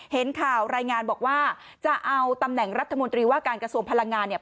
เห็นข่าวรายงานบอกว่าจะเอาตำแหน่งรัฐมนตรีว่าการกระทรวงพลังงานเนี่ย